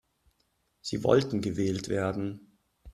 Sie wollten gewählt werden.